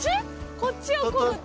こっちをこぐと。